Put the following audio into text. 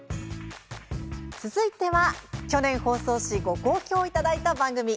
続いては、去年放送しご好評いただいた番組。